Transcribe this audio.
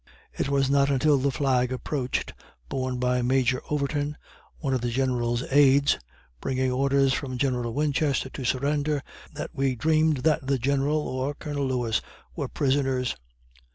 It was not until the flag approached, borne by Major Overton, one of the Generals' aids, bringing orders from General Winchester to surrender, that we dreamed that the General, or Colonel Lewis, were prisoners.